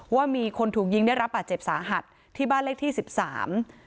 ว่ามีคนถูกยิงได้รับบาดเจ็บสาหัสที่บ้านเลขที่สิบสาม